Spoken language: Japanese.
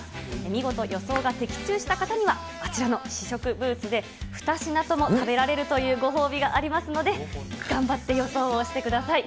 見事、予想が的中した方には、あちらの試食ブースで２品とも食べられるというご褒美がありますので、頑張って予想をしてください。